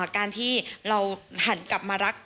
การที่เราหันกลับมารัก